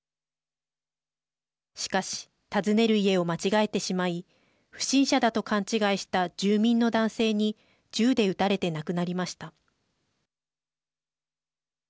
しかし訪ねる家を間違えてしまい不審者だと勘違いした住民の男性に銃で撃たれて亡くなりました。